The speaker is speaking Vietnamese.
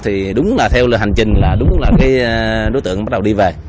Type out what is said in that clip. thì đúng là theo lời hành trình là đúng là cái đối tượng bắt đầu đi về